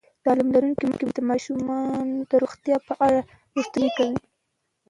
تعلیم لرونکې میندې د ماشومانو د روغتیا په اړه پوښتنې کوي.